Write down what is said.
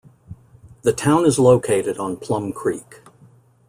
The town is located on Plum Creek.